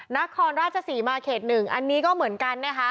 นครราชศรีมาเขต๑อันนี้ก็เหมือนกันนะคะ